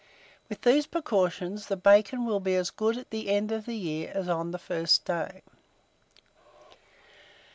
With these precautions, the bacon will be as good at the end of the year as on the first day.